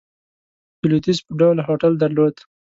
د لوېدیځ په ډول هوټل درلود.